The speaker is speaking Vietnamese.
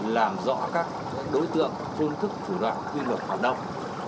làm rõ các đối tượng phương thức thủ đoạn quy luật hoạt động